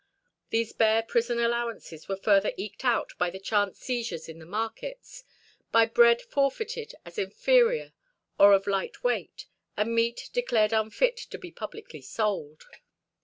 These bare prison allowances were further eked out by the chance seizures in the markets; by bread forfeited as inferior or of light weight, and meat declared unfit to be publicly sold.